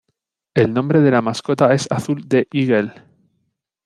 El nombre de la mascota es "Azul the Eagle".